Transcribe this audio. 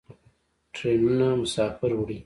ټرینونه مسافر وړي.